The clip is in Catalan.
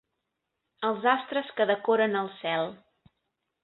Els astres que decoren el cel.